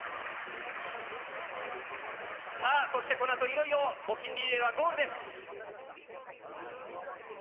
さあ、そしてこのあといよいよ募金リレーはゴールです。